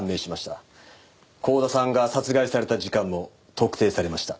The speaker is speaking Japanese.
光田さんが殺害された時間も特定されました。